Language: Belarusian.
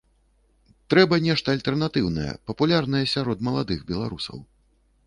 Трэба нешта альтэрнатыўнае, папулярнае сярод маладых беларусаў.